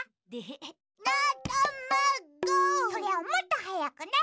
それをもっとはやくね。